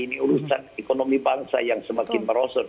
ini urusan ekonomi bangsa yang semakin merosot